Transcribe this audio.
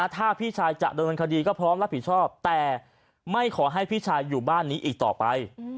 ถ้าพี่ชายจะโดนคดีก็พร้อมรับผิดชอบแต่ไม่ขอให้พี่ชายอยู่บ้านนี้อีกต่อไป